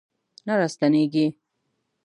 نه راستنیږي